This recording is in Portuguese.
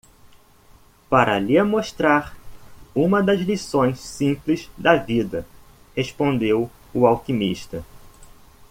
"Para lhe mostrar uma das lições simples da vida?", respondeu o alquimista.